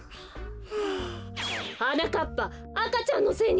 はなかっぱあかちゃんのせいにするの？